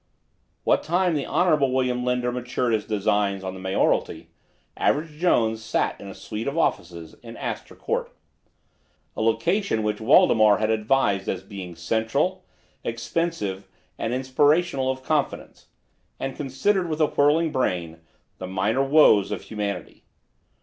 What time the Honorable William Linder matured his designs on the mayoralty, Average Jones sat in a suite of offices in Astor Court, a location which Waldemar had advised as being central, expensive, and inspirational of confidence, and considered, with a whirling brain, the minor woes of humanity.